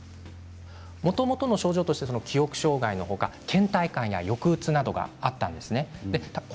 もともとの症状として記憶障害の他、けん怠感や抑うつなどがあったんです。